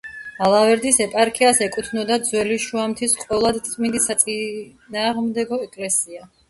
ალავერდის ეპარქიას ეკუთვნოდა: ძველი შუამთის ყოვლადწმინდის საწინამძღვრო ეკლესია.